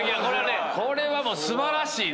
これは素晴らしいね。